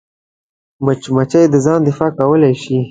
مچمچۍ د ځان دفاع کولی شي